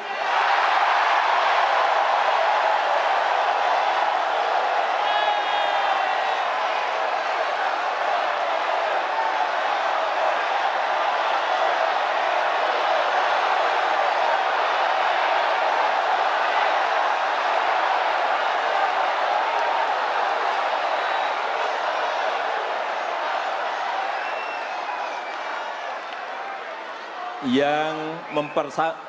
bagi yang mengganggu pancasila